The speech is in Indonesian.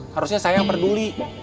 harusnya saya yang peduli